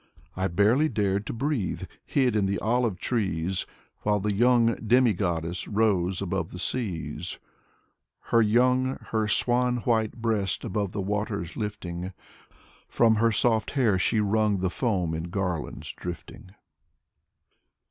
I barely dared to breathe, hid in the olive trees, While the young demigoddess rose above the seas; Her young, her swan white breast above the waters lifting, From her soft hair she wrung the foam in garlands drifting.